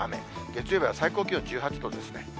月曜日は最高気温１８度ですね。